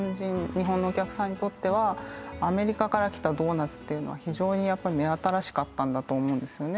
日本のお客さんにとってはアメリカから来たドーナツっていうのは非常にやっぱり目新しかったんだと思うんですよね